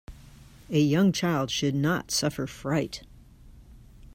A young child should not suffer fright.